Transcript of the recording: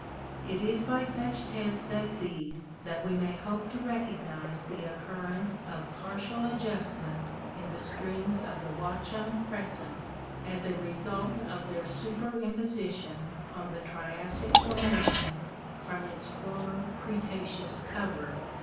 It is by such tests as these that we may hope to recognize the occurrence of partial adjustment in the streams of the Watchung crescent as a result of their superimposition on the Triassic forma tion from its former Cretaceous cover.